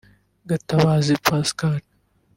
Gatabazi Pascal